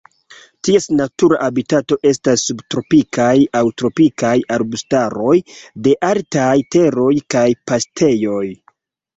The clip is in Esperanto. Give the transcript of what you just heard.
Ties natura habitato estas subtropikaj aŭ tropikaj arbustaroj de altaj teroj kaj paŝtejoj.